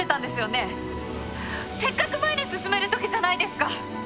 せっかく前に進めるときじゃないですか。